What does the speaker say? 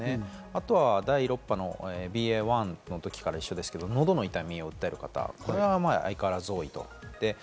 あとは第６波のＢＡ．１の時から一緒ですが喉の痛みを訴える方、これは相変わらず多いと。